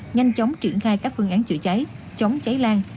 nhanh chóng triển khai các phương án chữa cháy chống cháy lan